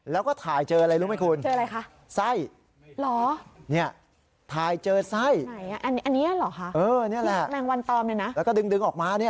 แล้วก็ถ่ายเจออะไรรู้ไหมคุณ